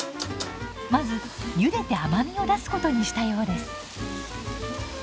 まずゆでて甘みを出すことにしたようです。